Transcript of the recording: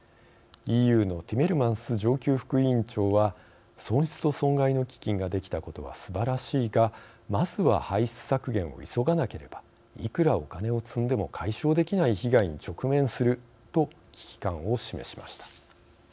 ＥＵのティメルマンス上級副委員長は「損失と損害の基金ができたことはすばらしいがまずは排出削減を急がなければいくらお金を積んでも解消できない被害に直面する」と危機感を示しました。